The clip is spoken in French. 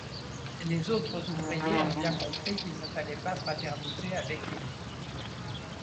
Les autres ouvriers ont bien compris qu’il ne fallait pas fraterniser avec eux.